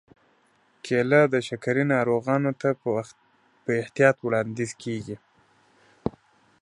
کېله د شکرې ناروغانو ته په احتیاط وړاندیز کېږي.